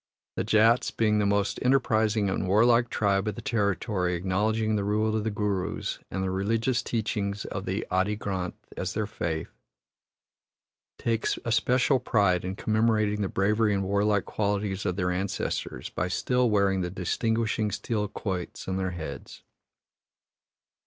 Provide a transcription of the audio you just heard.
The Jats, being the most enterprising and warlike tribe of the territory acknowledging the rule of the Gurus and the religious teachings of the Adi Granth as their faith, take especial pride in commemorating the bravery and warlike qualities of their ancestors by still wearing the distinguishing steel quoits on their heads.